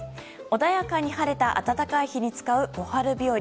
穏やかに晴れた暖かい日に使う小春日和。